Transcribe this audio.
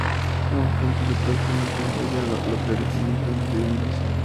No obstante, su cuerpo nunca fue hallado, lo que originó múltiples leyendas.